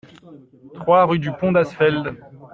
trois rue du Pont d'Asfeld